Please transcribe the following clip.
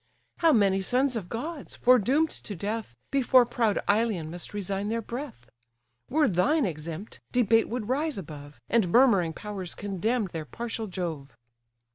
How many sons of gods, foredoom'd to death, Before proud Ilion must resign their breath! Were thine exempt, debate would rise above, And murmuring powers condemn their partial Jove.